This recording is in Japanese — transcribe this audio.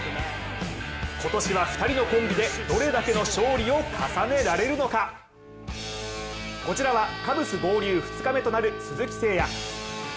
今年は２人のコンビでどれだけの勝利を重ねられるのかこちらは、カブス合流２日目となる鈴木誠也。